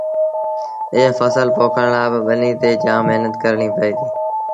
ايئي ڦسل پوکڻ لآ با ٻنيٚ تي جآم مهنت ڪرڻيٚ پئي ديٚ۔